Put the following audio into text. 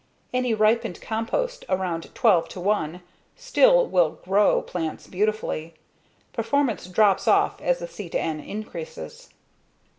Any ripened compost around 12:1 still will GROW plants beautifully. Performance drops off as the C/N increases.